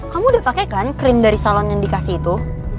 kamu udah pakai kan krim dari salon yang dikasih itu